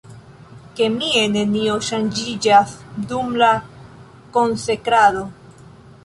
Kemie nenio ŝanĝiĝas dum la konsekrado.